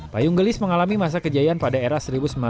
payung gelis mengalami masa kejayaan pada era tujuh puluh s